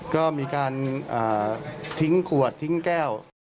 ก็มีการทิ้งขวดทิ้งแก้ว